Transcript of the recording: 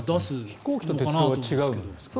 飛行機と鉄道は違うんですか。